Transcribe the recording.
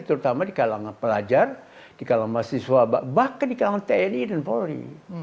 terutama di kalangan pelajar di kalangan mahasiswa bahkan di kalangan tni dan polri